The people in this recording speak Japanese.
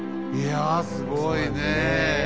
いやすごいねえ！